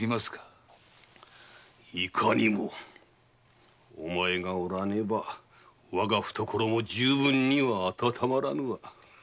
いかにもお前がおらねばわが懐も十分には温まらぬわ。